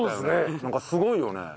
なんかすごいよね。